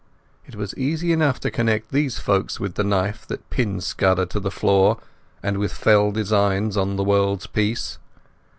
It was easy enough to connect those folk with the knife that pinned Scudder to the floor, and with fell designs on the world's peace.